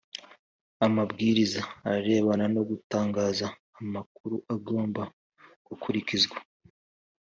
Amabwiriza arebana no gutangaza amakuru agomba gukurikizwa